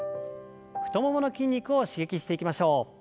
太ももの筋肉を刺激していきましょう。